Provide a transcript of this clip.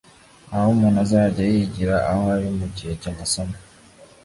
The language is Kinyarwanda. aho umuntu azajya yigira aho ari mu gihe cy'amasomo